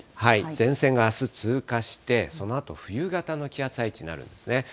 前線があす通過して、そのあと冬型の気圧配置になるんですね。